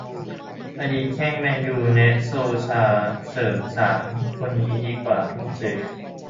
อดีตแข้ง แมนยู แนะ โซลชาร์ เสริม สาม คนนี้ดีกว่าทุ่มซื้อ